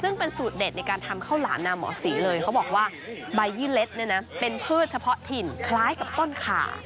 ซึ่งเป็นสูตรเด็ดในการทำข้าวหลามนาหมอศรีเลยเขาบอกว่าใบยี่เล็ดเนี่ยนะเป็นพืชเฉพาะถิ่นคล้ายกับต้นขา